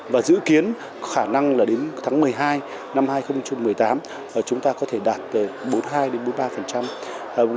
và dự kiến khả năng là đến tháng một mươi hai năm hai nghìn một mươi tám chúng ta có thể đạt từ bốn mươi hai đến bốn mươi ba